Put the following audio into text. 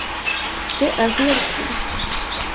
Det är helt lugnt!